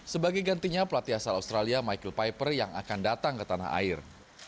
sebagai gantinya pelatih asal australia michael piper yang akan datang ke tanah air